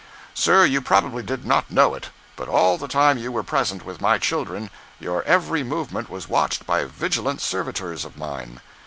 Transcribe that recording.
Sir, you probably did not know it, but all the time you were present with my children your every movement was watched by vigilant servitors of mine.